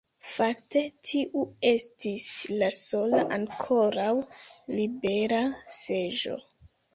Fakte tiu estis la sola ankoraŭ libera seĝo.